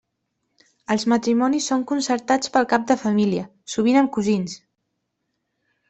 Els matrimonis són concertats pel cap de família, sovint amb cosins.